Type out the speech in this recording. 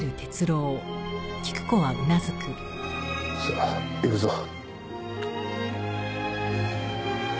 さあ行くぞ。